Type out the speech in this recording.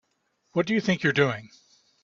What do you think you're doing?